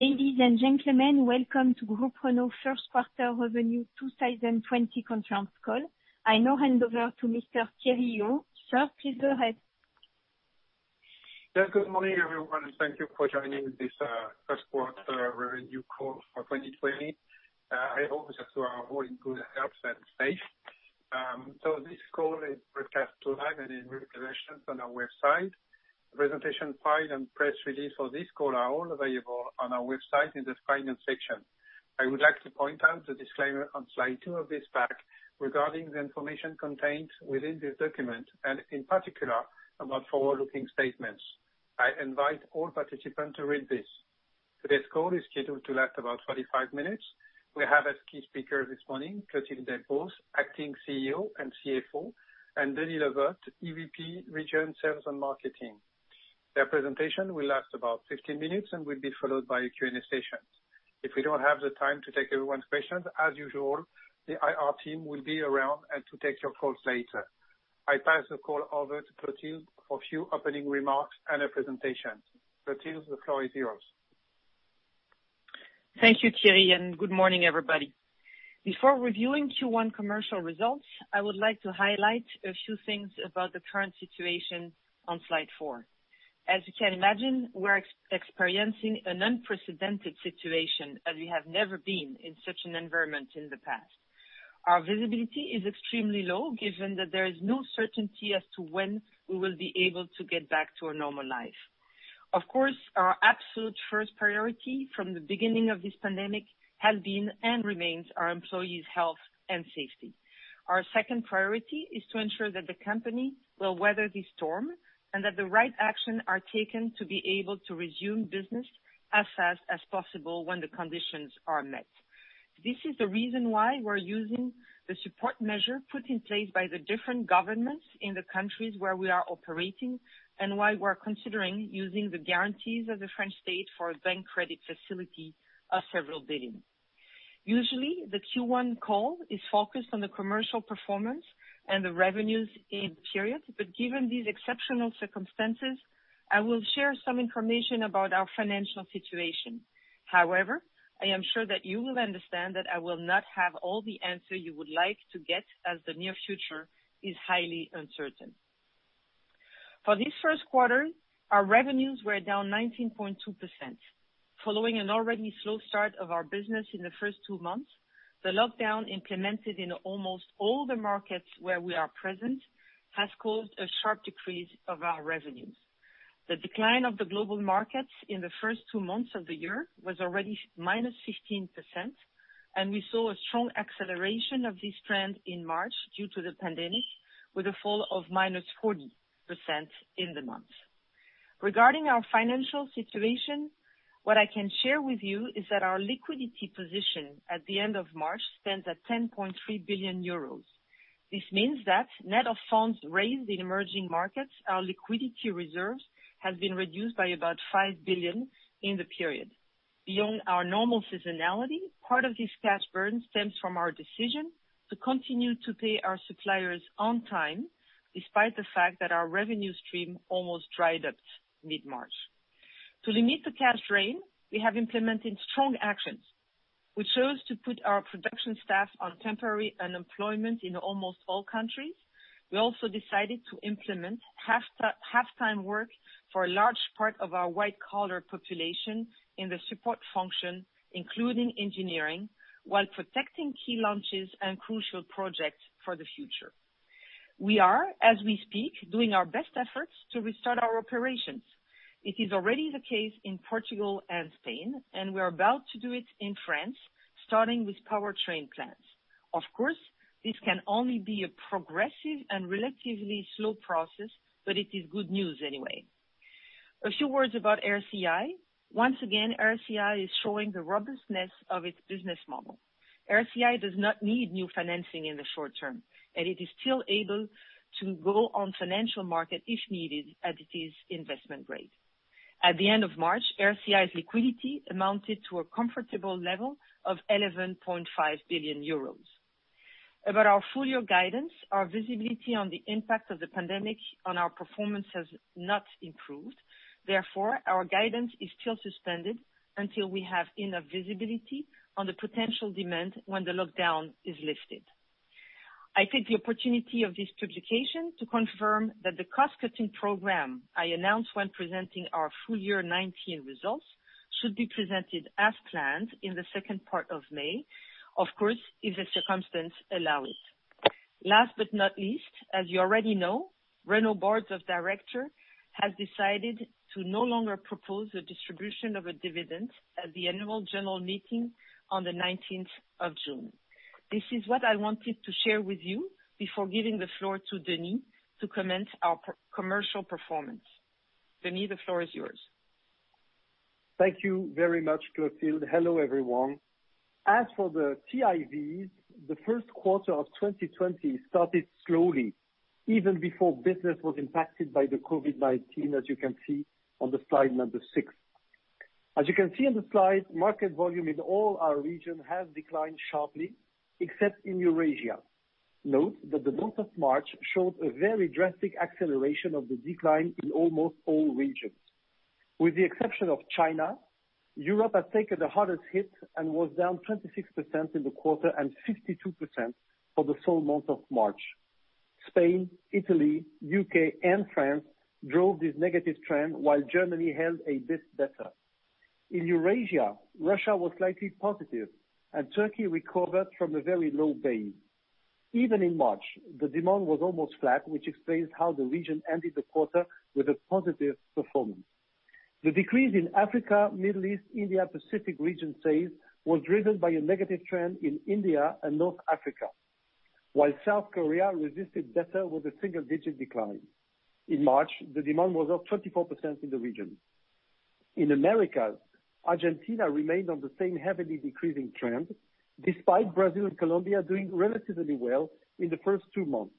Ladies and gentlemen, welcome to Groupe Renault first quarter revenue 2020 conference call. I now hand over to Mr. Thierry Piéton. Sir, please go ahead. Yes, good morning, everyone. Thank you for joining this first quarter revenue call for 2020. I hope that you are all in good health and safe. This call is broadcast live and is recorded on our website. Presentation file and press release for this call are all available on our website in the finance section. I would like to point out the disclaimer on slide two of this pack regarding the information contained within this document, and in particular, about forward-looking statements. I invite all participants to read this. Today's call is scheduled to last about 45 minutes. We have as key speakers this morning, Clotilde Delbos, Acting CEO and CFO, and Denis Le Vot, EVP, Regions, Sales and Marketing. Their presentation will last about 15 minutes and will be followed by a Q&A session. If we don't have the time to take everyone's questions, as usual, the IR team will be around and to take your calls later. I pass the call over to Clotilde for a few opening remarks and a presentation. Clotilde, the floor is yours. Thank you, Thierry, and good morning, everybody. Before reviewing Q1 commercial results, I would like to highlight a few things about the current situation on slide four. As you can imagine, we're experiencing an unprecedented situation as we have never been in such an environment in the past. Our visibility is extremely low, given that there is no certainty as to when we will be able to get back to a normal life. Of course, our absolute first priority from the beginning of this pandemic has been and remains our employees' health and safety. Our second priority is to ensure that the company will weather this storm, and that the right action are taken to be able to resume business as fast as possible when the conditions are met. This is the reason why we're using the support measure put in place by the different governments in the countries where we are operating, and why we're considering using the guarantees of the French state for a bank credit facility of several billion. Usually, the Q1 call is focused on the commercial performance and the revenues in the period. Given these exceptional circumstances, I will share some information about our financial situation. However, I am sure that you will understand that I will not have all the answer you would like to get, as the near future is highly uncertain. For this first quarter, our revenues were down 19.2%. Following an already slow start of our business in the first two months, the lockdown implemented in almost all the markets where we are present, has caused a sharp decrease of our revenues. The decline of the global markets in the first two months of the year was already -15%, we saw a strong acceleration of this trend in March due to the pandemic, with a fall of -40% in the month. Regarding our financial situation, what I can share with you is that our liquidity position at the end of March stands at 10.3 billion euros. This means that net of funds raised in emerging markets, our liquidity reserves have been reduced by about 5 billion in the period. Beyond our normal seasonality, part of this cash burn stems from our decision to continue to pay our suppliers on time, despite the fact that our revenue stream almost dried up mid-March. To limit the cash drain, we have implemented strong actions. We chose to put our production staff on temporary unemployment in almost all countries. We also decided to implement half-time work for a large part of our white-collar population in the support function, including engineering, while protecting key launches and crucial projects for the future. We are, as we speak, doing our best efforts to restart our operations. It is already the case in Portugal and Spain, and we're about to do it in France, starting with powertrain plants. Of course, this can only be a progressive and relatively slow process, but it is good news anyway. A few words about RCI. Once again, RCI is showing the robustness of its business model. RCI does not need new financing in the short term, and it is still able to go on financial market if needed, as it is investment grade. At the end of March, RCI's liquidity amounted to a comfortable level of 11.5 billion euros. About our full-year guidance, our visibility on the impact of the pandemic on our performance has not improved. Our guidance is still suspended until we have enough visibility on the potential demand when the lockdown is lifted. I take the opportunity of this publication to confirm that the cost-cutting program I announced when presenting our full-year 2019 results, should be presented as planned in the second part of May, of course, if the circumstances allow it. Last but not least, as you already know, Renault Board of Directors has decided to no longer propose a distribution of a dividend at the annual general meeting on the 19th of June. This is what I wanted to share with you before giving the floor to Denis to commence our commercial performance. Denis, the floor is yours. Thank you very much, Clotilde. Hello, everyone. As for the TIVs, the first quarter of 2020 started slowly, even before business was impacted by the COVID-19, as you can see on the slide number six. As you can see on the slide, market volume in all our region has declined sharply, except in Eurasia. Note that the month of March showed a very drastic acceleration of the decline in almost all regions. With the exception of China, Europe has taken the hardest hit and was down 26% in the quarter and 62% for the sole month of March. Spain, Italy, U.K. and France drove this negative trend while Germany held a bit better. In Eurasia, Russia was slightly positive, and Turkey recovered from a very low base. Even in March, the demand was almost flat, which explains how the region ended the quarter with a positive performance. The decrease in Africa, Middle East, India, Pacific region sales was driven by a negative trend in India and North Africa, while South Korea resisted better with a single-digit decline. In March, the demand was up 24% in the region. In Americas, Argentina remained on the same heavily decreasing trend, despite Brazil and Colombia doing relatively well in the first two months.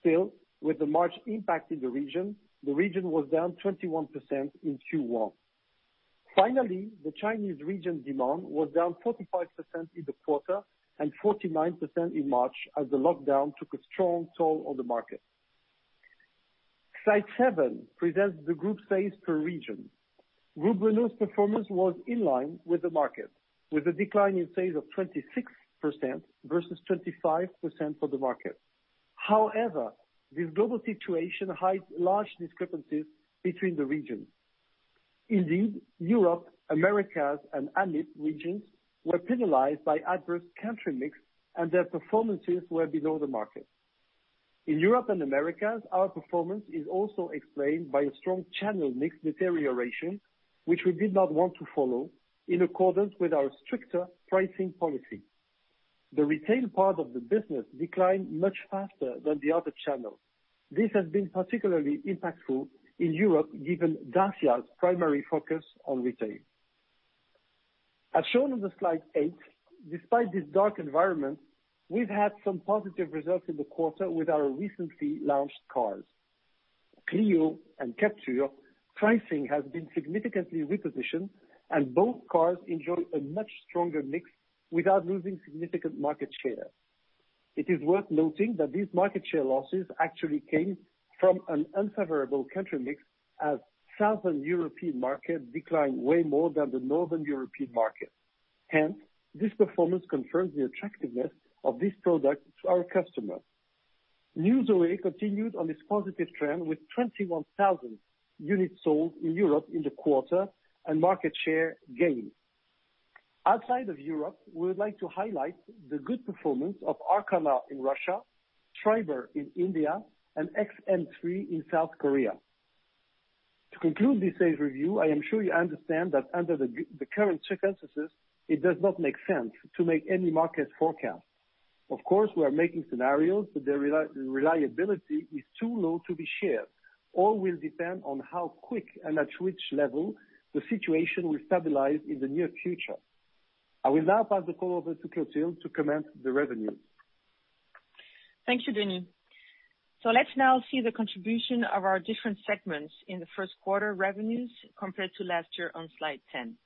Still, with the March impact in the region, the region was down 21% in Q1. Finally, the Chinese region demand was down 45% in the quarter and 49% in March as the lockdown took a strong toll on the market. Slide seven presents the group sales per region. Groupe Renault's performance was in line with the market, with a decline in sales of 26% versus 25% for the market. However, this global situation hides large discrepancies between the regions. Indeed, Europe, Americas and AMI regions were penalized by adverse country mix, and their performances were below the market. In Europe and Americas, our performance is also explained by a strong channel mix deterioration, which we did not want to follow in accordance with our stricter pricing policy. The retail part of the business declined much faster than the other channels. This has been particularly impactful in Europe, given Dacia's primary focus on retail. As shown on the slide eight, despite this dark environment, we've had some positive results in the quarter with our recently launched cars. Clio and Captur pricing has been significantly repositioned, and both cars enjoy a much stronger mix without losing significant market share. It is worth noting that these market share losses actually came from an unfavorable country mix as southern European market declined way more than the northern European market. Hence, this performance confirms the attractiveness of this product to our customers. New Zoe continued on this positive trend with 21,000 units sold in Europe in the quarter and market share gain. Outside of Europe, we would like to highlight the good performance of Arkana in Russia, Triber in India, and XM3 in South Korea. To conclude this sales review, I am sure you understand that under the current circumstances, it does not make sense to make any market forecast. Of course, we are making scenarios, but their reliability is too low to be shared. All will depend on how quick and at which level the situation will stabilize in the near future. I will now pass the call over to Clotilde to commence the revenue. Thank you, Denis. Let's now see the contribution of our different segments in the first quarter revenues compared to last year on slide 10.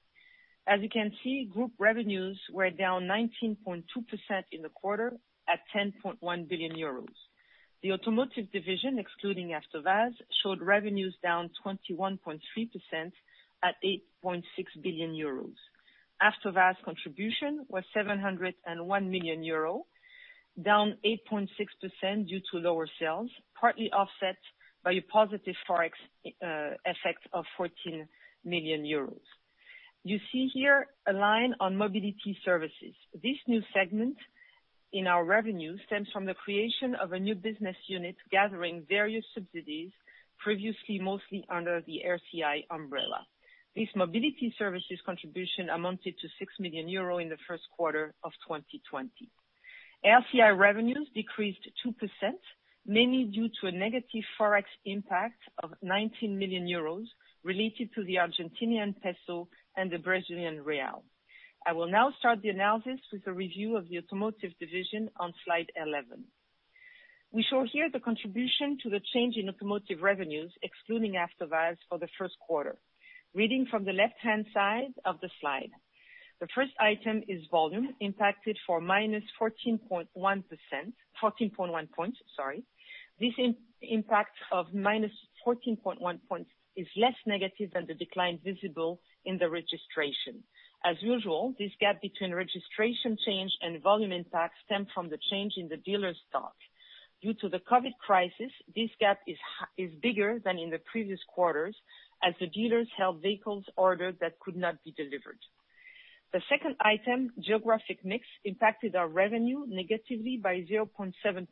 As you can see, group revenues were down 19.2% in the quarter at 10.1 billion euros. The automotive division, excluding AvtoVAZ, showed revenues down 21.3% at 8.6 billion euros. AvtoVAZ contribution was 701 million euro, down 8.6% due to lower sales, partly offset by a positive Forex effect of 14 million euros. You see here a line on mobility services. This new segment in our revenue stems from the creation of a new business unit gathering various subsidies previously mostly under the RCI umbrella. This mobility services contribution amounted to 6 million euro in the first quarter of 2020. RCI revenues decreased 2%, mainly due to a negative Forex impact of 19 million euros related to the Argentinian peso and the Brazilian real. I will now start the analysis with a review of the automotive division on slide 11. We show here the contribution to the change in automotive revenues, excluding AvtoVAZ for the first quarter. Reading from the left-hand side of the slide. The first item is volume, impacted for -14.1 points. This impact of -14.1 points is less negative than the decline visible in the registration. As usual, this gap between registration change and volume impact stem from the change in the dealer stock. Due to the COVID crisis, this gap is bigger than in the previous quarters, as the dealers held vehicles ordered that could not be delivered. The second item, geographic mix, impacted our revenue negatively by 0.7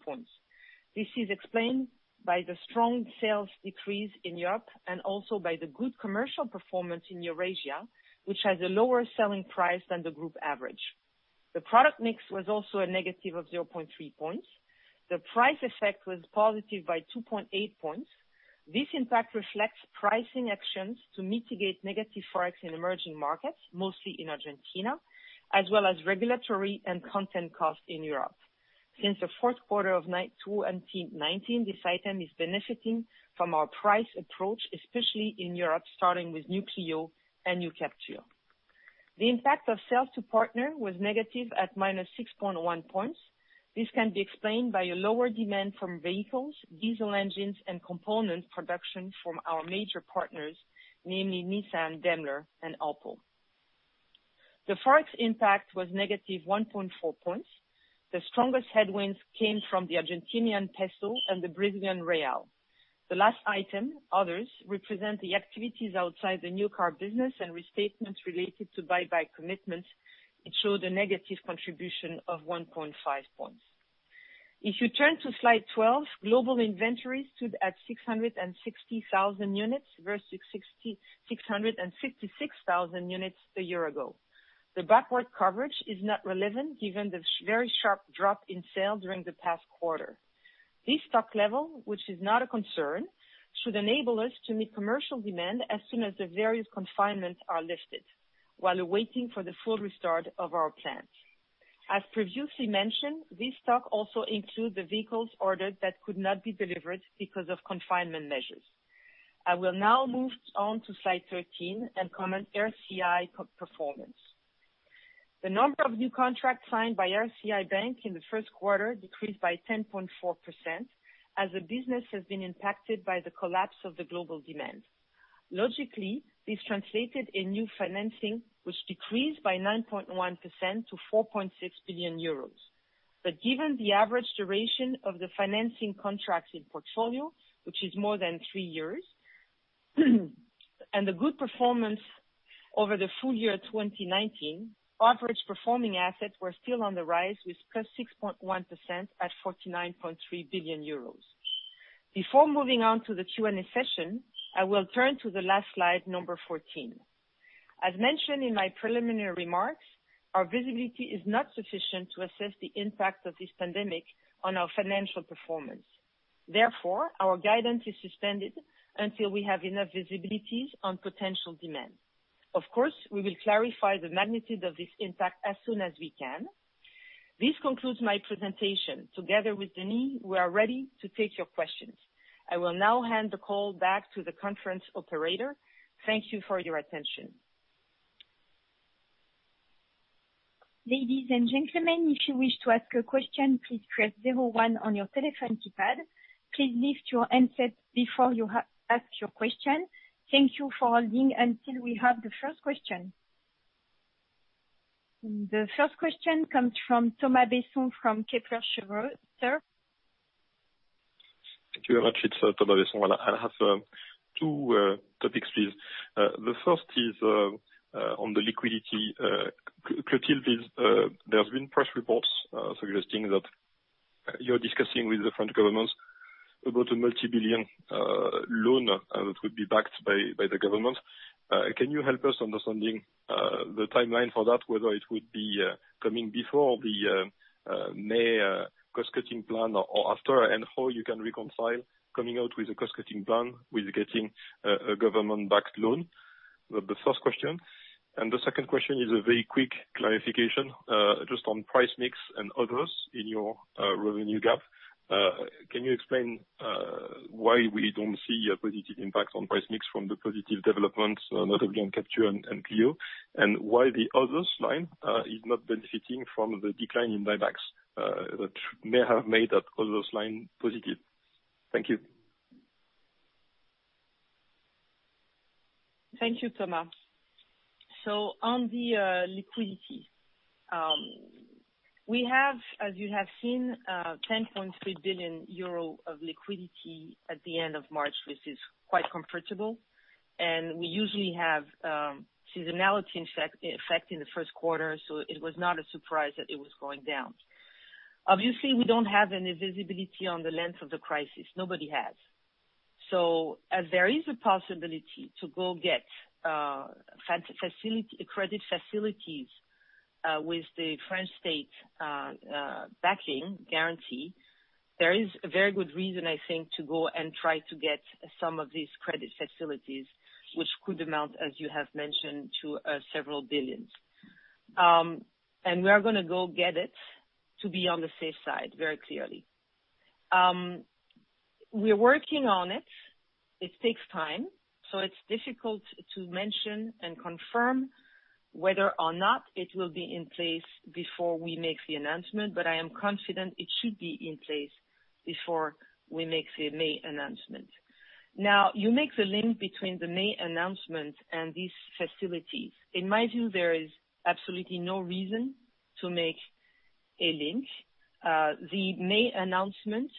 points. This is explained by the strong sales decrease in Europe and also by the good commercial performance in Eurasia, which has a lower selling price than the group average. The product mix was also a negative of 0.3 points. The price effect was positive by 2.8 points. This impact reflects pricing actions to mitigate negative Forex in emerging markets, mostly in Argentina, as well as regulatory and content cost in Europe. Since the fourth quarter of 2019, this item is benefiting from our price approach, especially in Europe, starting with New Clio and New Captur. The impact of sales to partner was negative at -6.1 points. This can be explained by a lower demand from vehicles, diesel engines, and component production from our major partners, namely Nissan, Daimler, and Opel. The Forex impact was -1.4 points. The strongest headwinds came from the Argentinian peso and the Brazilian real. The last item, others, represent the activities outside the new car business and restatements related to buyback commitments. It showed a negative contribution of 1.5 points. If you turn to slide 12, global inventories stood at 660,000 units versus 666,000 units a year ago. The backward coverage is not relevant given the very sharp drop in sales during the past quarter. This stock level, which is not a concern, should enable us to meet commercial demand as soon as the various confinements are lifted while waiting for the full restart of our plant. As previously mentioned, this stock also includes the vehicles ordered that could not be delivered because of confinement measures. I will now move on to slide 13 and comment RCI performance. The number of new contracts signed by RCI Bank in the first quarter decreased by 10.4%, as the business has been impacted by the collapse of the global demand. Logically, this translated in new financing, which decreased by 9.1% to 4.6 billion euros. Given the average duration of the financing contracts in portfolio, which is more than three years, and the good performance over the full year 2019, average performing assets were still on the rise, with +6.1% at 49.3 billion euros. Before moving on to the Q&A session, I will turn to the last slide number 14. As mentioned in my preliminary remarks, our visibility is not sufficient to assess the impact of this pandemic on our financial performance. Therefore, our guidance is suspended until we have enough visibilities on potential demand. Of course, we will clarify the magnitude of this impact as soon as we can. This concludes my presentation. Together with Denis, we are ready to take your questions. I will now hand the call back to the conference operator. Thank you for your attention. Ladies and gentlemen, if you wish to ask a question, please press zero one on your telephone keypad. Please lift your handset before you ask your question. Thank you for holding until we have the first question. The first question comes from Thomas Besson from Kepler Cheuvreux. Sir? Thank you very much. It's Thomas Besson. I have two topics, please. The first is on the liquidity. Clotilde, there's been press reports suggesting that you're discussing with the French government about a multi-billion loan that would be backed by the government. Can you help us understanding the timeline for that, whether it would be coming before the May cost-cutting plan or after, and how you can reconcile coming out with a cost-cutting plan with getting a government-backed loan? The first question. The second question is a very quick clarification, just on price mix and others in your revenue gap. Can you explain why we don't see a positive impact on price mix from the positive developments, notably on Captur and Clio, and why the others line is not benefiting from the decline in buybacks, which may have made that others line positive? Thank you. Thank you, Thomas. On the liquidity, we have, as you have seen, 10.3 billion euro of liquidity at the end of March, which is quite comfortable. We usually have seasonality effect in the first quarter, it was not a surprise that it was going down. Obviously, we don't have any visibility on the length of the crisis. Nobody has. As there is a possibility to go get credit facilities with the French state backing guarantee, there is a very good reason, I think, to go and try to get some of these credit facilities, which could amount, as you have mentioned, to several billions. We are going to go get it to be on the safe side, very clearly. We're working on it. It takes time, so it's difficult to mention and confirm whether or not it will be in place before we make the announcement, but I am confident it should be in place before we make the May announcement. You make the link between the May announcement and these facilities. In my view, there is absolutely no reason to make a link. The May announcement,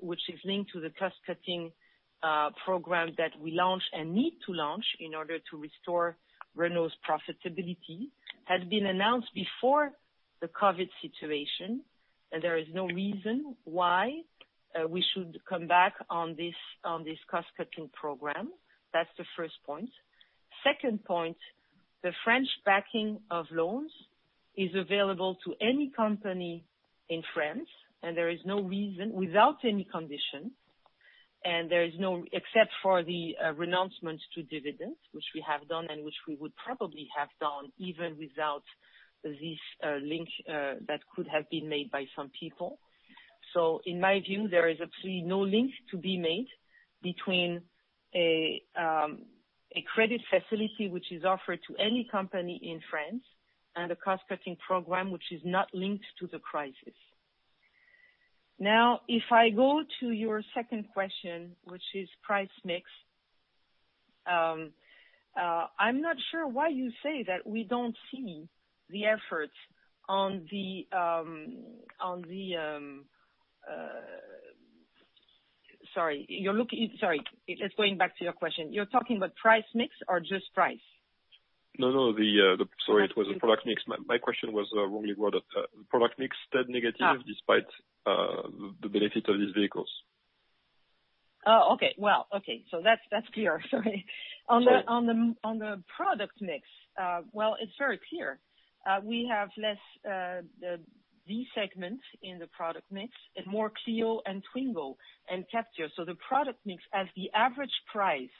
which is linked to the cost-cutting program that we launch and need to launch in order to restore Renault's profitability, had been announced before the COVID situation, and there is no reason why we should come back on this cost-cutting program. That's the first point. Second point, the French backing of loans is available to any company in France, without any condition, except for the renouncement to dividends, which we have done and which we would probably have done even without this link that could have been made by some people. In my view, there is absolutely no link to be made between a credit facility which is offered to any company in France, and a cost-cutting program which is not linked to the crisis. If I go to your second question, which is price mix, I'm not sure why you say that we don't see the efforts. Sorry, just going back to your question. You're talking about price mix or just price? No, sorry, it was the product mix. My question was wrongly worded. Product mix turned negative despite the benefit of these vehicles. Oh, okay. Well, okay. That's clear. Sorry. On the product mix. It's very clear. We have less D-segment in the product mix, and more Clio and Twingo and Captur. The product mix, as the average price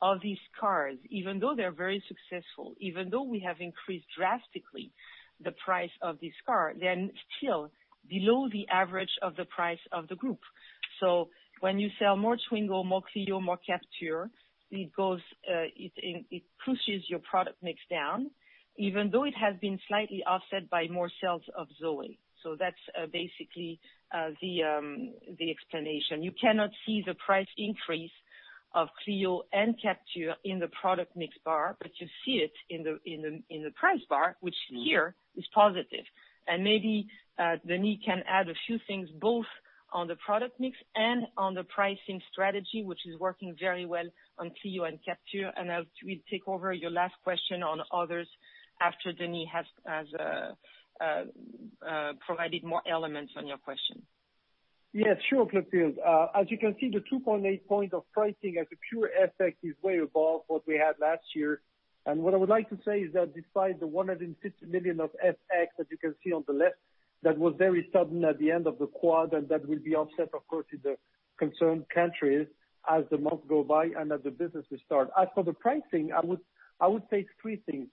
of these cars, even though they're very successful, even though we have increased drastically the price of this car, they're still below the average of the price of the Group. When you sell more Twingo, more Clio, more Captur, it pushes your product mix down, even though it has been slightly offset by more sales of Zoe. That's basically the explanation. You cannot see the price increase of Clio and Captur in the product mix bar, but you see it in the price bar, which here is positive. Maybe Denis can add a few things, both on the product mix and on the pricing strategy, which is working very well on Clio and Captur, and I'll take over your last question on others after Denis has provided more elements on your question. Yes, sure, Clotilde. As you can see, the 2.8 points of pricing as a pure FX is way above what we had last year. What I would like to say is that despite the 150 million of FX that you can see on the left, that was very sudden at the end of the quad, and that will be offset, of course, in the concerned countries as the months go by and as the businesses start. As for the pricing, I would say three things.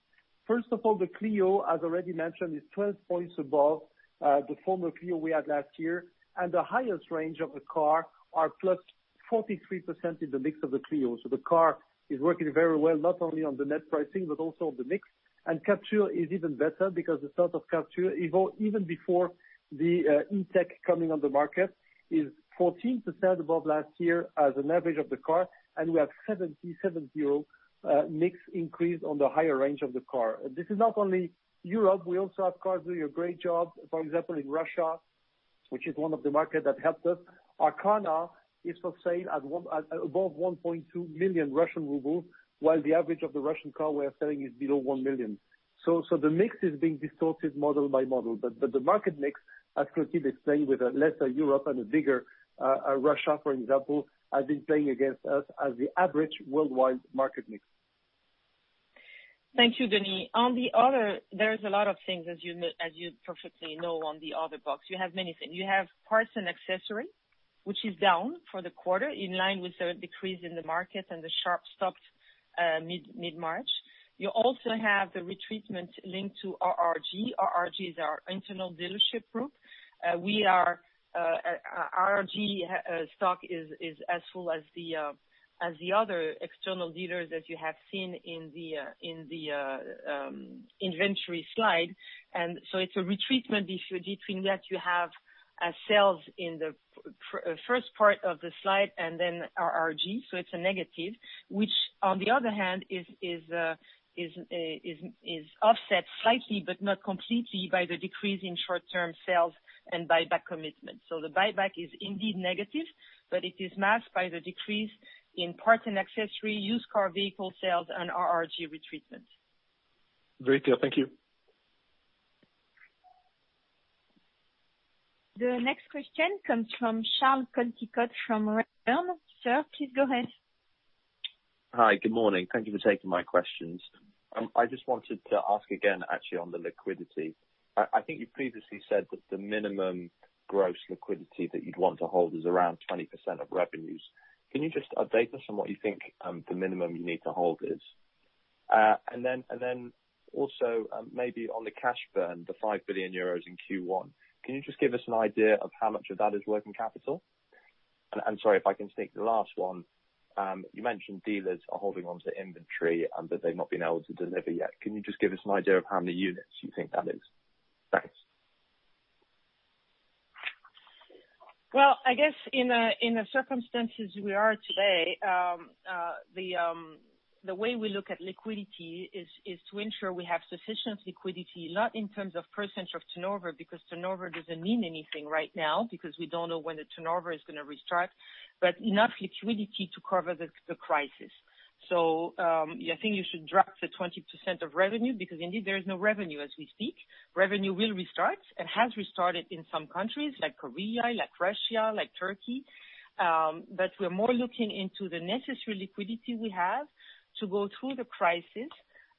First of all, the Clio, as already mentioned, is 12 points above the former Clio we had last year, and the highest range of the car are +43% in the mix of the Clio. The car is working very well, not only on the net pricing, but also on the mix. Captur is even better, because the sales of Captur, even before the E-Tech coming on the market, is 14% above last year as an average of the car. We have 70/7.0 mix increase on the higher range of the car. This is not only Europe. We also have cars doing a great job, for example, in Russia, which is one of the markets that helped us. Arkana is for sale above 1.2 million Russian rubles, while the average of the Russian car we are selling is below 1 million. The mix is being distorted model by model. The market mix, as Clotilde explained, with a lesser Europe and a bigger Russia, for example, has been playing against us as the average worldwide market mix. Thank you, Denis. There's a lot of things, as you perfectly know, on the other box. You have many things. You have parts and accessories, which is down for the quarter, in line with the decrease in the market and the sharp stop mid-March. You also have the restatement linked to RRG. RRG is our internal dealership group. RRG stock is as full as the other external dealers that you have seen in the inventory slide. It's a restatement issue. Between that, you have sales in the first part of the slide, and then RRG, so it's a negative, which on the other hand, is offset slightly, but not completely, by the decrease in short-term sales and buyback commitment. The buyback is indeed negative, but it is masked by the decrease in parts and accessory, used car vehicle sales, and RRG restatement. Very clear. Thank you. The next question comes from Charles Coldicott from Redburn. Sir, please go ahead. Hi, good morning. Thank you for taking my questions. I just wanted to ask again, actually, on the liquidity. I think you previously said that the minimum gross liquidity that you'd want to hold is around 20% of revenues. Can you just update us on what you think the minimum you need to hold is? Then also, maybe on the cash burn, the 5 billion euros in Q1, can you just give us an idea of how much of that is working capital? Sorry, if I can sneak the last one. You mentioned dealers are holding onto inventory and that they've not been able to deliver yet. Can you just give us an idea of how many units you think that is? Thanks. Well, I guess in the circumstances we are today, the way we look at liquidity is to ensure we have sufficient liquidity, not in terms of percentage of turnover, because turnover doesn't mean anything right now, because we don't know when the turnover is going to restart, but enough liquidity to cover the crisis. I think you should drop the 20% of revenue, because indeed, there is no revenue as we speak. Revenue will restart and has restarted in some countries, like Korea, like Russia, like Turkey. We're more looking into the necessary liquidity we have to go through the crisis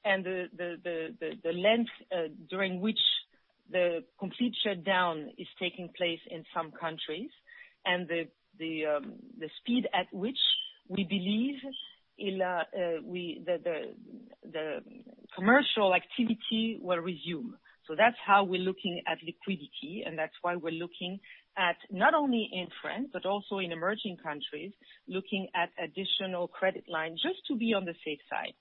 and the length, during which the complete shutdown is taking place in some countries. The speed at which we believe the commercial activity will resume. That's how we're looking at liquidity, and that's why we're looking at not only in France, but also in emerging countries, looking at additional credit lines, just to be on the safe side.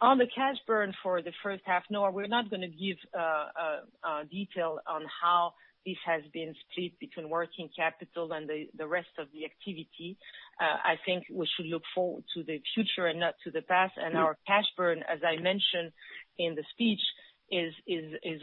On the cash burn for the first half, no, we're not going to give detail on how this has been split between working capital and the rest of the activity. I think we should look forward to the future and not to the past. Our cash burn, as I mentioned in the speech, is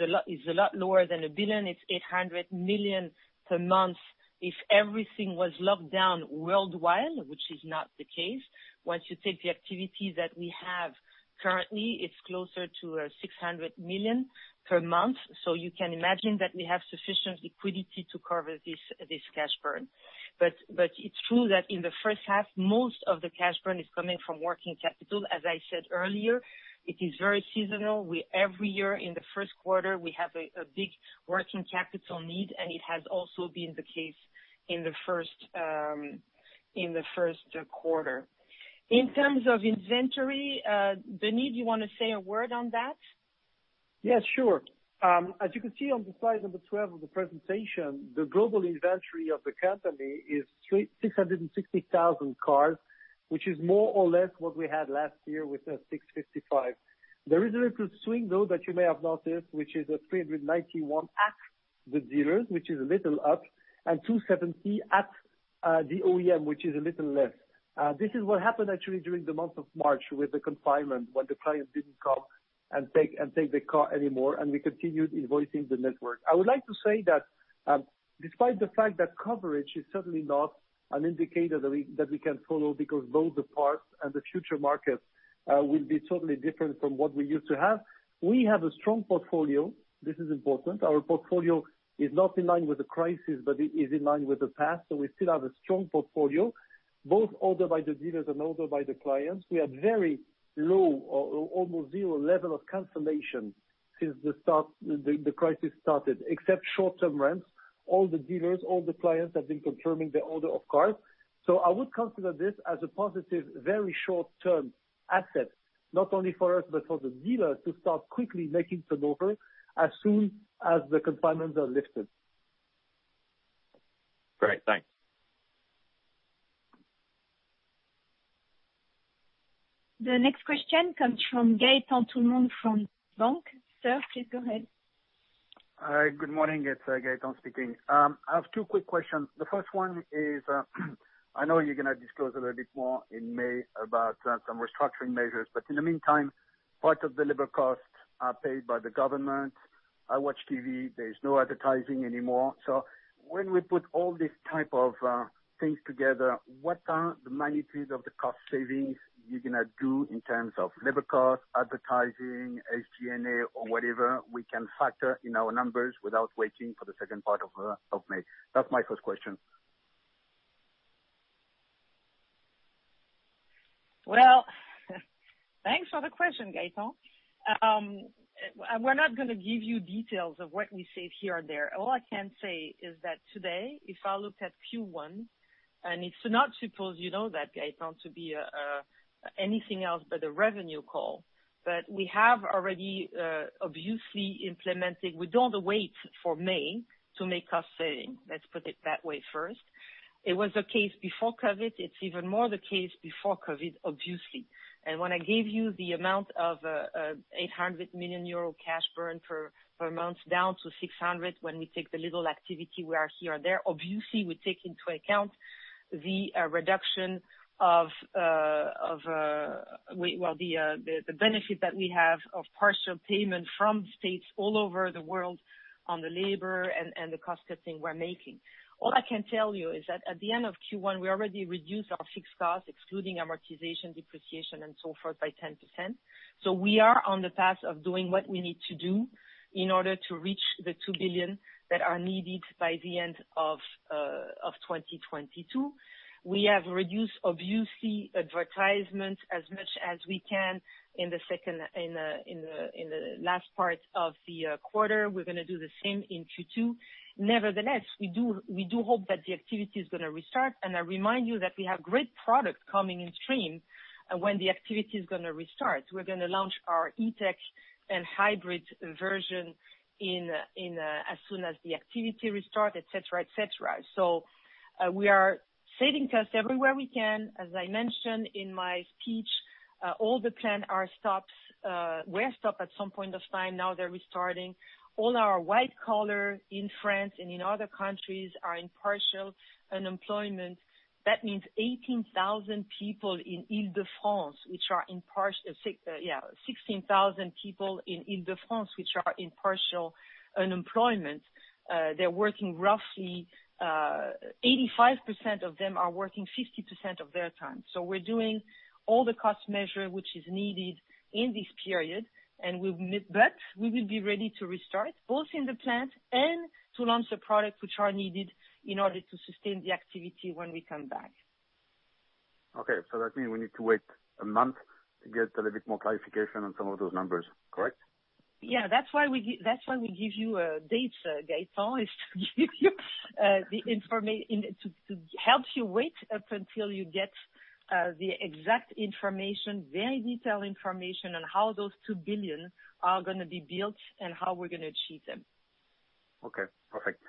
a lot lower than 1 billion. It's 800 million per month. If everything was locked down worldwide, which is not the case, once you take the activity that we have currently, it's closer to 600 million per month. You can imagine that we have sufficient liquidity to cover this cash burn. It's true that in the first half, most of the cash burn is coming from working capital. As I said earlier, it is very seasonal. Every year in the first quarter, we have a big working capital need, and it has also been the case in the first quarter. In terms of inventory, Denis, you want to say a word on that? Yes, sure. As you can see on the slide number 12 of the presentation, the global inventory of the company is 660,000 cars, which is more or less what we had last year with the 655,000. There is a little swing, though, that you may have noticed, which is 391 at the dealers, which is a little up, and 270 at the OEM, which is a little less. This is what happened actually during the month of March with the confinement, when the client didn't come and take the car anymore, and we continued invoicing the network. I would like to say that despite the fact that coverage is certainly not an indicator that we can follow because both the parts and the future markets will be totally different from what we used to have. We have a strong portfolio. This is important. Our portfolio is not in line with the crisis, but it is in line with the past. We still have a strong portfolio, both ordered by the dealers and ordered by the clients. We have very low or almost zero level of cancellation since the crisis started, except short-term rents. All the dealers, all the clients, have been confirming their order of cars. I would consider this as a positive, very short-term asset, not only for us, but for the dealers to start quickly making some turnover as soon as the confinements are lifted. Great. Thanks. The next question comes from Gaëtan Toulemonde from Deutsche Bank. Sir, please go ahead. Hi. Good morning. It's Gaëtan speaking. I have two quick questions. The first one is, I know you're going to disclose a little bit more in May about some restructuring measures, but in the meantime, part of the labor costs are paid by the government. I watch TV. There's no advertising anymore. When we put all these type of things together, what are the magnitude of the cost savings you're going to do in terms of labor cost, advertising, SG&A or whatever we can factor in our numbers without waiting for the second part of May? That's my first question. Well, thanks for the question, Gaëtan. We're not going to give you details of what we save here and there. All I can say is that today, if I look at Q1, and it's not supposed, you know that, Gaëtan, to be anything else but a revenue call. We have already obviously implemented. We don't wait for May to make cost saving. Let's put it that way first. It was the case before COVID, it's even more the case before COVID, obviously. When I gave you the amount of 800 million euro cash burn per month down to 600 when we take the little activity we are here and there, obviously, we take into account the reduction of the benefit that we have of partial payment from states all over the world on the labor and the cost-cutting we're making. All I can tell you is that at the end of Q1, we already reduced our fixed costs, excluding amortization, depreciation, and so forth, by 10%. We are on the path of doing what we need to do in order to reach the 2 billion that are needed by the end of 2022. We have reduced obviously advertisement as much as we can in the last part of the quarter. We're going to do the same in Q2. We do hope that the activity is going to restart, and I remind you that we have great products coming in stream when the activity is going to restart. We're going to launch our E-Tech and hybrid version as soon as the activity restart, et cetera. We are saving costs everywhere we can. As I mentioned in my speech, all the plants were stopped at some point of time. They're restarting. All our white collar in France and in other countries are in partial unemployment. That means 16,000 people in Île-de-France, which are in partial unemployment. Roughly 85% of them are working 50% of their time. We're doing all the cost measure which is needed in this period. We will be ready to restart, both in the plant and to launch the product which are needed in order to sustain the activity when we come back. Okay, that means we need to wait a month to get a little bit more clarification on some of those numbers, correct? Yeah. That's why we give you dates, Gaëtan, is to help you wait up until you get the exact information, very detailed information on how those 2 billion are going to be built and how we're going to achieve them. Okay, perfect.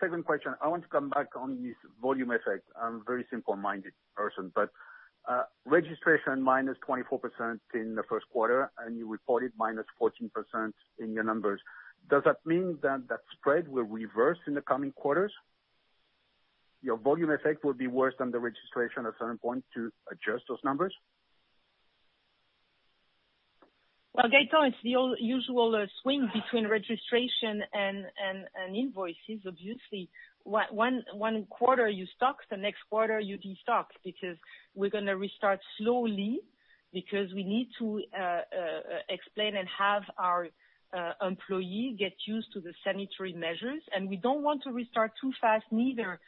Second question. I want to come back on this volume effect. I'm very simple-minded person, but registration -24% in the first quarter, and you reported -14% in your numbers. Does that mean that that spread will reverse in the coming quarters? Your volume effect will be worse than the registration at certain point to adjust those numbers? Well, Gaëtan, it's the usual swing between registration and invoices, obviously. One quarter you stock, the next quarter you destock, because we're going to restart slowly because we need to explain and have our employee get used to the sanitary measures. We don't want to restart too fast, neither,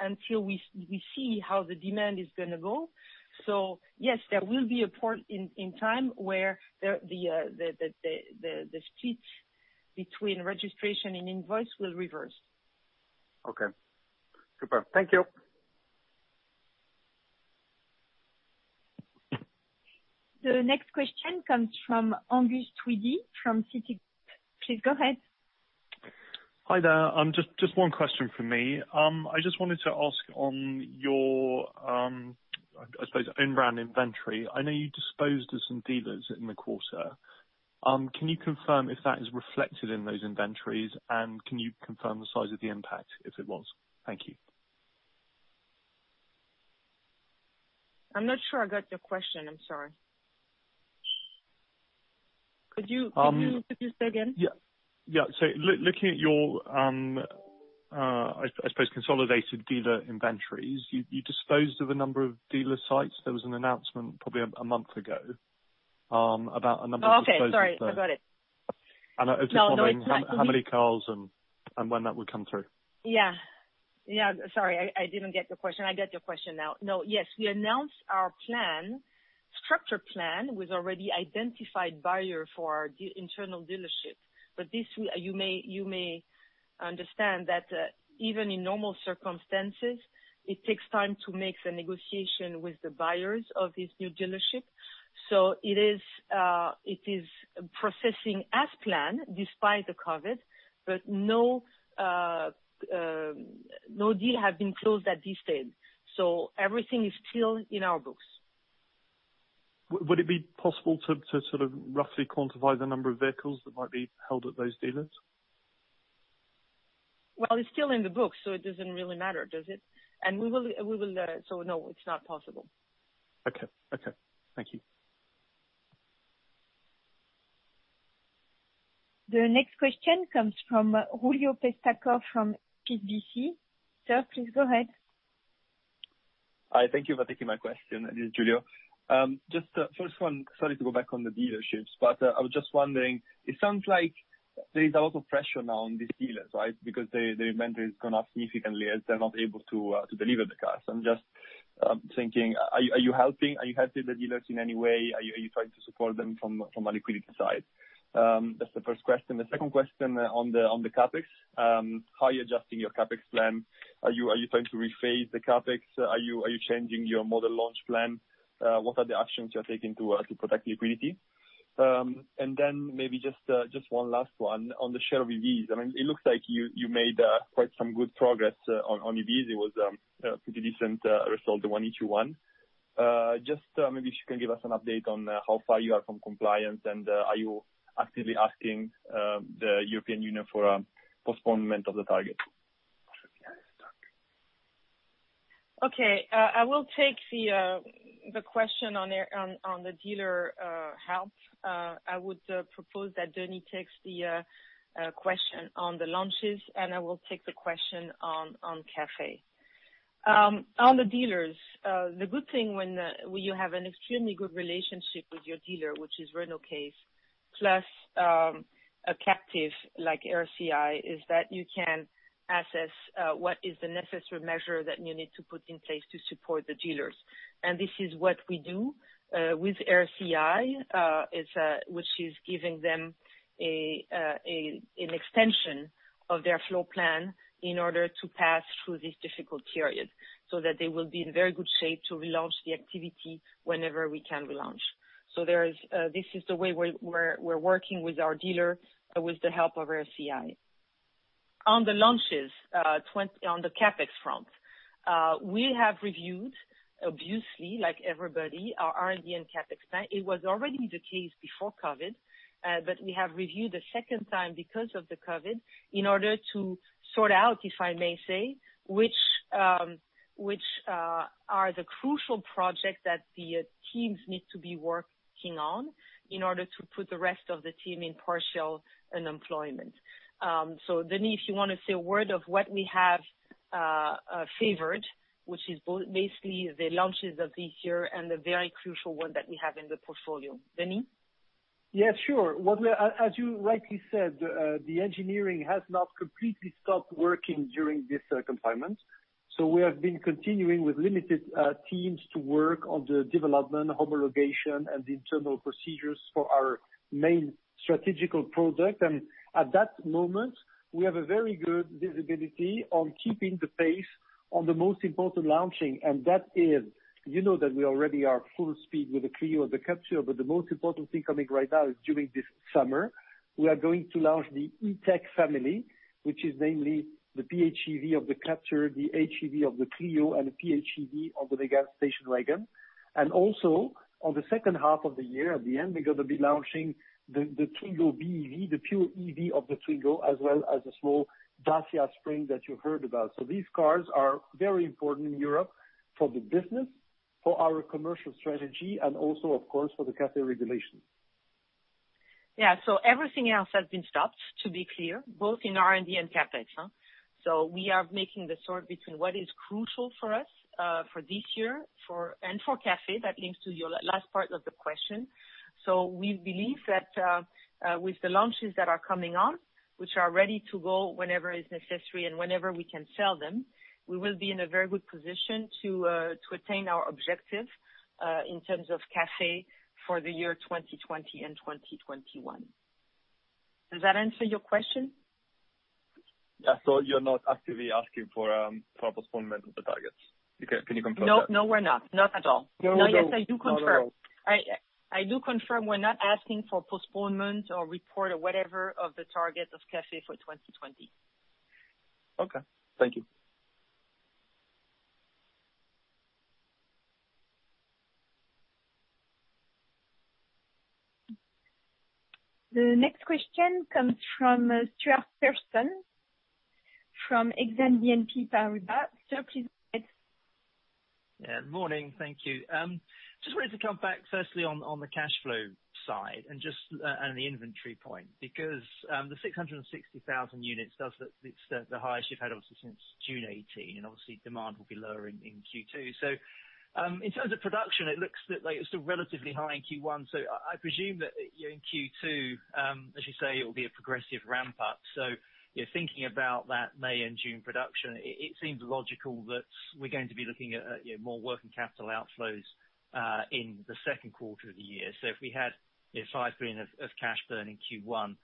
until we see how the demand is going to go. Yes, there will be a point in time where the stitch between registration and invoice will reverse. Okay. Super. Thank you. The next question comes from Angus Tweedie from Citi. Please go ahead. Hi there. Just one question from me. I just wanted to ask on your, I suppose, in-brand inventory. I know you disposed of some dealers in the quarter. Can you confirm if that is reflected in those inventories, and can you confirm the size of the impact if it was? Thank you. I'm not sure I got your question. I'm sorry. Could you say again? Yeah. Looking at your, I suppose, consolidated dealer inventories, you disposed of a number of dealer sites. There was an announcement probably a month ago, about a number- Oh, okay. Sorry, I got it. I was just wondering. No, it's not me. How many cars and when that would come through? Yeah. Sorry, I didn't get your question. I get your question now. No, yes, we announced our structure plan with already identified buyer for our internal dealership. This, you may understand that, even in normal circumstances, it takes time to make the negotiation with the buyers of these new dealerships. It is processing as planned despite the COVID, but no deal have been closed at this stage, so everything is still in our books. Would it be possible to roughly quantify the number of vehicles that might be held at those dealers? Well, it's still in the book, so it doesn't really matter, does it? No, it's not possible. Okay. Thank you. The next question comes from Giulio Pescatore from HSBC. Sir, please go ahead. Hi. Thank you for taking my question. This is Giulio. Just first one, sorry to go back on the dealerships, but I was just wondering, it sounds like there is a lot of pressure now on these dealers, right, because their inventory has gone up significantly as they're not able to deliver the cars. I'm just thinking, are you helping the dealers in any way? Are you trying to support them from a liquidity side? That's the first question. The second question on the CapEx, how are you adjusting your CapEx plan? Are you trying to rephase the CapEx? Are you changing your model launch plan? What are the actions you are taking to protect liquidity? Maybe just one last one on the share of EVs. It looks like you made quite some good progress on EVs. It was a pretty decent result, the one each one. Just maybe if you can give us an update on how far you are from compliance, and are you actively asking the European Union for postponement of the target? Okay. I will take the question on the dealer help. I would propose that Denis takes the question on the launches. I will take the question on CAFE. On the dealers, the good thing when you have an extremely good relationship with your dealer, which is Renault case, plus a captive like RCI, is that you can assess what is the necessary measure that you need to put in place to support the dealers. This is what we do with RCI, which is giving them an extension of their floor plan in order to pass through this difficult period so that they will be in very good shape to relaunch the activity whenever we can relaunch. This is the way we're working with our dealer, with the help of RCI. On the launches, on the CapEx front, we have reviewed, obviously like everybody, our R&D and CapEx spend. It was already the case before COVID. We have reviewed the second time because of the COVID, in order to sort out, if I may say, which are the crucial projects that the teams need to be working on in order to put the rest of the team in partial unemployment. Denis, if you want to say a word of what we have favored, which is basically the launches of this year and the very crucial one that we have in the portfolio. Denis? Yeah, sure. As you rightly said, the engineering has not completely stopped working during this confinement. We have been continuing with limited teams to work on the development, homologation, and the internal procedures for our main strategic product. At that moment, we have a very good visibility on keeping the pace on the most important launching, and that is You know that we already are full speed with the Clio and the Captur, but the most important thing coming right now is during this summer, we are going to launch the E-Tech family, which is namely the PHEV of the Captur, the HEV of the Clio, and the PHEV of the Mégane station wagon. Also, on the second half of the year, at the end, we're going to be launching the Twingo EV, the pure EV of the Twingo, as well as a small Dacia Spring that you heard about. These cars are very important in Europe for the business, for our commercial strategy, and also, of course, for the CAFE regulation. Yeah. Everything else has been stopped, to be clear, both in R&D and CapEx. We are making the sort between what is crucial for us for this year, and for CAFE. That links to your last part of the question. We believe that with the launches that are coming on, which are ready to go whenever is necessary and whenever we can sell them, we will be in a very good position to attain our objective, in terms of CAFE for the year 2020 and 2021. Does that answer your question? Yeah. You're not actively asking for a postponement of the targets? Can you confirm that? No, we're not. Not at all. No. Yes, I do confirm. Not at all. I do confirm we're not asking for postponement or report or whatever, of the target of CAFE for 2020. Okay. Thank you. The next question comes from Stuart Pearson from Exane BNP Paribas. Sir, please go ahead. Yeah. Morning. Thank you. Just wanted to come back firstly on the cash flow side and the inventory point, because the 660,000 units, it's the highest you've had obviously since June 2018, and obviously demand will be lower in Q2. In terms of production, it looks like it's still relatively high in Q1. I presume that in Q2, as you say, it will be a progressive ramp-up. Thinking about that May and June production, it seems logical that we're going to be looking at more working capital outflows in the second quarter of the year. If we had 5 billion of cash burn in Q1,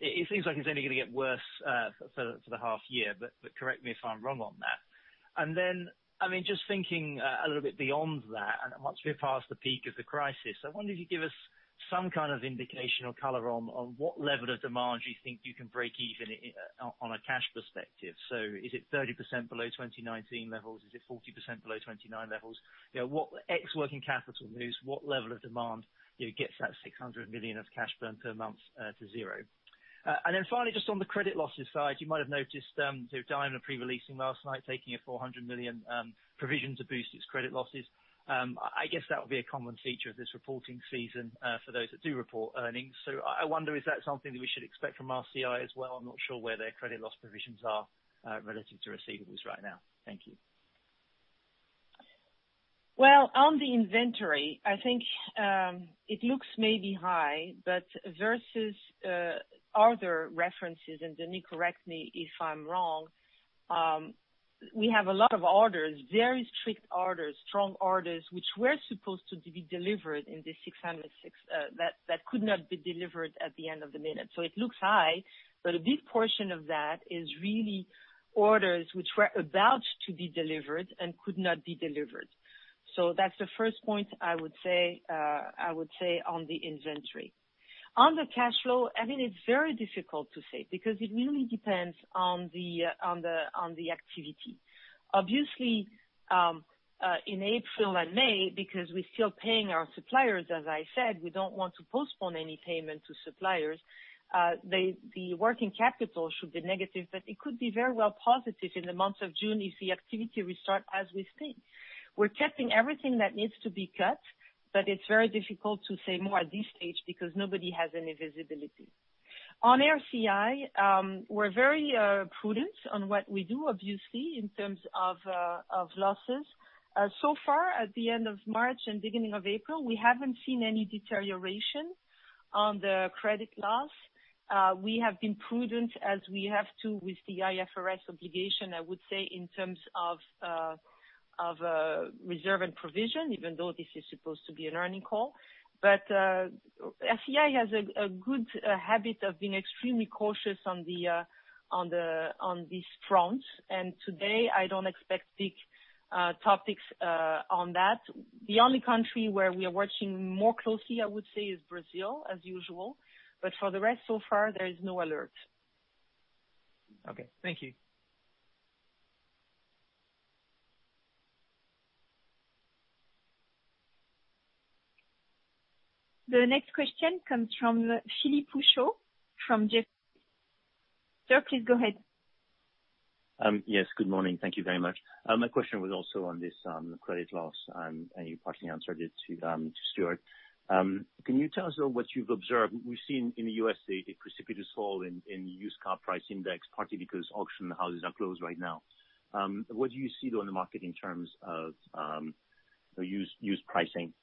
it seems like it's only going to get worse for the half year. Correct me if I'm wrong on that. Just thinking a little bit beyond that, and once we're past the peak of the crisis, I wonder if you could give us some kind of indication or color on what level of demand do you think you can break even on a cash perspective? Is it 30% below 2019 levels? Is it 40% below 2020 levels? Ex working capital news, what level of demand gets that 600 million of cash burn per month to zero? Just on the credit losses side, you might have noticed Daimler pre-releasing last night, taking a 400 million provision to boost its credit losses. I guess that will be a common feature of this reporting season, for those that do report earnings. I wonder, is that something that we should expect from RCI as well? I'm not sure where their credit loss provisions are, relative to receivables right now. Thank you. On the inventory, I think it looks maybe high. Versus other references, and Denis, correct me if I'm wrong, we have a lot of orders, very strict orders, strong orders, which were supposed to be delivered in the 660,000 that could not be delivered at the end of the minute. It looks high, but a big portion of that is really orders which were about to be delivered and could not be delivered. That's the first point I would say on the inventory. On the cash flow, it's very difficult to say, because it really depends on the activity. Obviously, in April and May, because we're still paying our suppliers, as I said, we don't want to postpone any payment to suppliers, the working capital should be negative, but it could be very well positive in the month of June if the activity restart as we think. We're cutting everything that needs to be cut, but it's very difficult to say more at this stage, because nobody has any visibility. On RCI, we're very prudent on what we do, obviously, in terms of losses. So far, at the end of March and beginning of April, we haven't seen any deterioration on the credit loss. We have been prudent as we have to with the IFRS obligation, I would say, in terms of reserve and provision, even though this is supposed to be an earnings call. RCI has a good habit of being extremely cautious on these fronts. Today, I don't expect big topics on that. The only country where we are watching more closely, I would say, is Brazil, as usual. For the rest, so far, there is no alert. Okay. Thank you. The next question comes from Philippe Houchois from Jefferies. Sir, please go ahead. Yes, good morning. Thank you very much. My question was also on this credit loss, and you partly answered it to Stuart. Can you tell us, though, what you've observed? We've seen in the USA a precipitous fall in used car price index, partly because auction houses are closed right now. What do you see, though, in the market in terms of used pricing?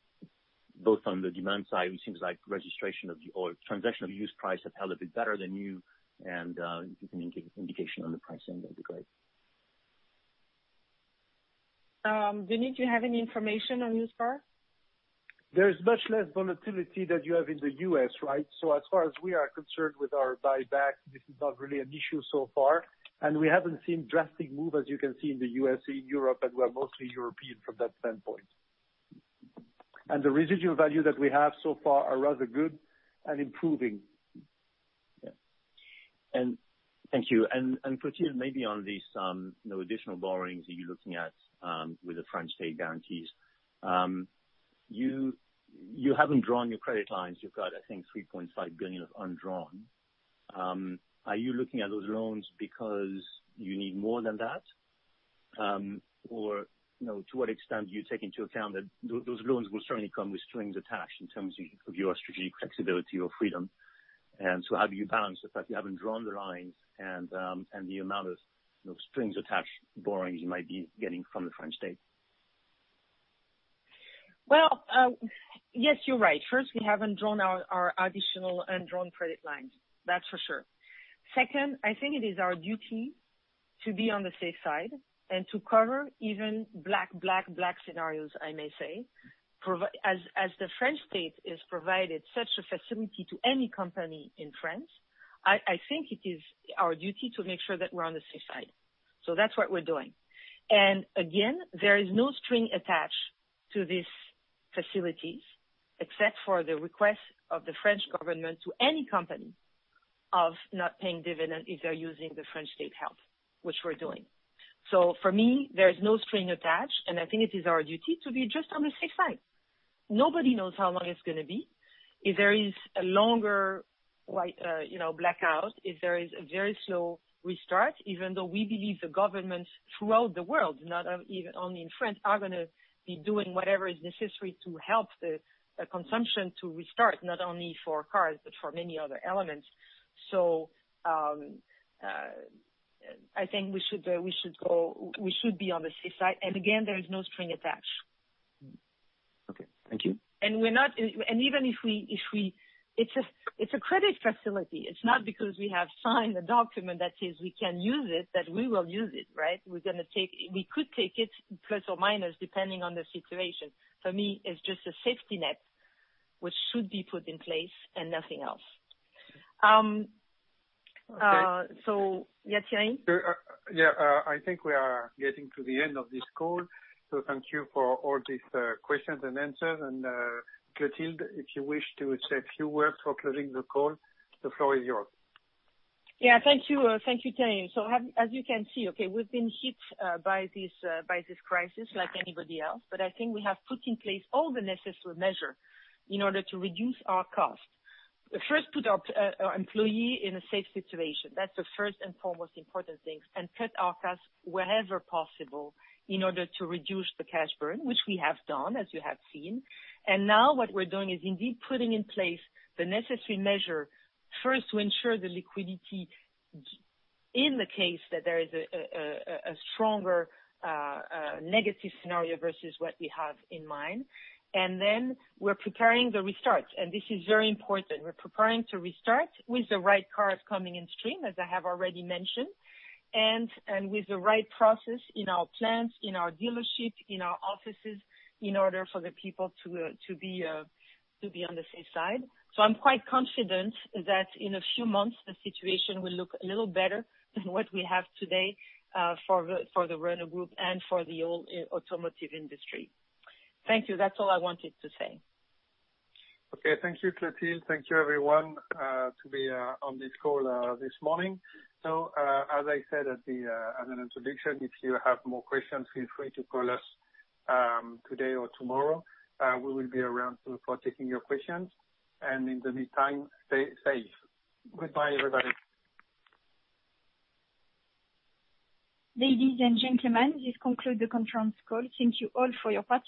Both on the demand side, it seems like registration of the, or transaction of used price have held a bit better than new, and if you can give indication on the pricing, that'd be great. Denis, do you have any information on used cars? There is much less volatility than you have in the U.S., right? As far as we are concerned with our buyback, this is not really an issue so far, and we haven't seen drastic move as you can see in the U.S., in Europe, and we are mostly European from that standpoint. The residual value that we have so far are rather good and improving. Yeah. Thank you. Clotilde, maybe on these additional borrowings that you're looking at, with the French state guarantees. You haven't drawn your credit lines. You've got, I think, 3.5 billion of undrawn. Are you looking at those loans because you need more than that? To what extent do you take into account that those loans will certainly come with strings attached in terms of your strategic flexibility or freedom. How do you balance the fact you haven't drawn the lines and the amount of strings attached borrowings you might be getting from the French state? Well, yes, you're right. First, we haven't drawn our additional undrawn credit lines. That's for sure. Second, I think it is our duty to be on the safe side and to cover even black scenarios, I may say. As the French state has provided such a facility to any company in France, I think it is our duty to make sure that we're on the safe side. That's what we're doing. Again, there is no string attached to these facilities, except for the request of the French government to any company of not paying dividend if they're using the French state help, which we're doing. For me, there is no string attached, and I think it is our duty to be just on the safe side. Nobody knows how long it's going to be. If there is a longer blackout, if there is a very slow restart, even though we believe the governments throughout the world, not even only in France, are going to be doing whatever is necessary to help the consumption to restart, not only for cars, but for many other elements. I think we should be on the safe side. Again, there is no string attached. Okay. Thank you. It's a credit facility. It's not because we have signed a document that says we can use it, that we will use it, right? We could take it, plus or minus, depending on the situation. For me, it's just a safety net, which should be put in place and nothing else. Okay. Yeah, Thierry? Yeah. I think we are getting to the end of this call. Thank you for all these questions and answers. Clotilde, if you wish to say a few words for closing the call, the floor is yours. Yeah. Thank you, Thierry. As you can see, okay, we've been hit by this crisis like anybody else. I think we have put in place all the necessary measure in order to reduce our cost. First, put our employee in a safe situation. That's the first and foremost important thing, and cut our cost wherever possible in order to reduce the cash burn, which we have done, as you have seen. Now what we're doing is indeed putting in place the necessary measure, first to ensure the liquidity in the case that there is a stronger negative scenario versus what we have in mind. We're preparing the restart. This is very important. We're preparing to restart with the right cars coming in stream, as I have already mentioned. With the right process in our plants, in our dealership, in our offices, in order for the people to be on the safe side. I'm quite confident that in a few months, the situation will look a little better than what we have today, for the Renault Group and for the whole automotive industry. Thank you. That's all I wanted to say. Okay. Thank you, Clotilde. Thank you everyone, to be on this call this morning. As I said as an introduction, if you have more questions, feel free to call us today or tomorrow. We will be around for taking your questions. In the meantime, stay safe. Goodbye, everybody. Ladies and gentlemen, this concludes the conference call. Thank you all for your participation.